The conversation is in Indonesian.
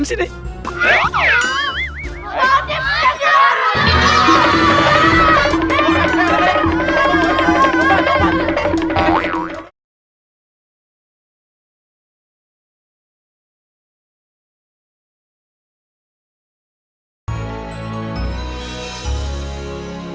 masih ada yang nge report